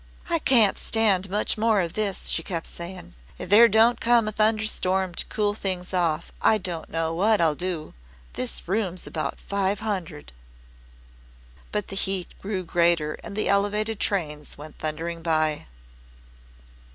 "I can't stand much more of this," she kept saying. "If there don't come a thunderstorm to cool things off I don't know what I'll do. This room's about five hundred." But the heat grew greater and the Elevated trains went thundering by.